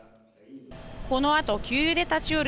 このあと、給油で立ち寄る